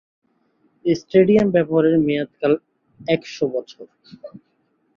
এ stadium ব্যবহারের মেয়াদ কাল এক শো বছর।